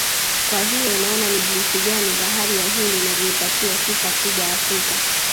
Kwa hiyo unaona ni jinsi gani bahari ya Hindi inavyoipatia sifa kubwa Afrika